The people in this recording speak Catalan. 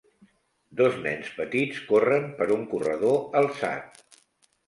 Dos nens petits corren per un corredor alçat.